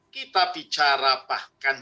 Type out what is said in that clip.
kita bicara bahkan jawa